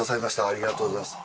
ありがとうございます。